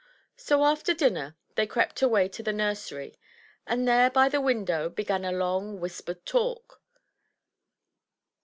So after dinner they crept away to the nursery, and there, by the window, began a long whispered talk.